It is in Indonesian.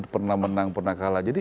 pernah menang pernah kalah jadi